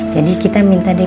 jadi kita minta dp nya dulu